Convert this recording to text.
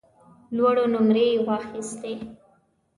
لوړې نمرې یې واخیستې.